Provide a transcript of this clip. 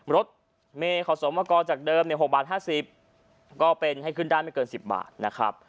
รถเมย์ขอสมกรจากเดิม๖บาท๕๐ก็เป็นให้ขึ้นได้ไม่เกิน๑๐บาทนะครับ